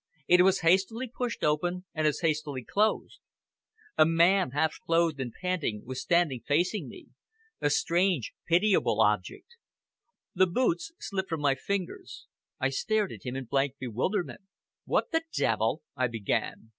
It was hastily pushed open and as hastily closed. A man, half clothed and panting, was standing facing me a strange, pitiable object. The boots slipped from my fingers. I stared at him in blank bewilderment. "What the devil " I began.